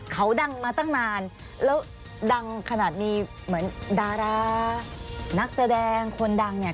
เขาดังมาตั้งนานแล้วดังขนาดมีเหมือนดารานักแสดงคนดังเนี่ย